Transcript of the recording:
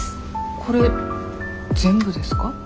これ全部ですか？